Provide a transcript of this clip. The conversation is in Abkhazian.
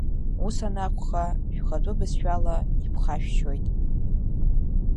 Ус анакәха, шәхатәы бызшәала иԥхашәшьоит!